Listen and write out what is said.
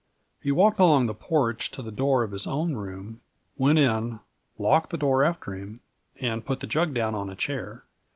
He walked along the porch to the door of his own room, went in, locked the door after him, and put the jug down on a chair.